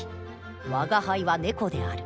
「吾輩は猫である」